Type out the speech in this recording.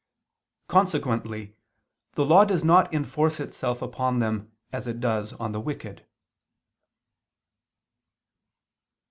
Consequently the law does not enforce itself upon them as it does on the wicked.